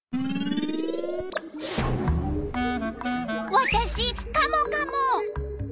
わたしカモカモ！